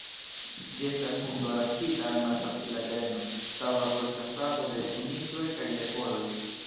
Ĝi estas hundo adaptita al malfacila tereno, taŭga por ĉasado de kunikloj kaj leporoj.